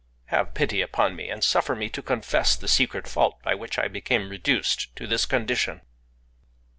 Have pity upon me, and suffer me to confess the secret fault by which I became reduced to this condition.